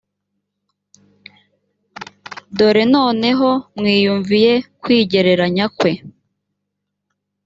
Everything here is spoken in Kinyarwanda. dore noneho mwiyumviye kwigereranya kwe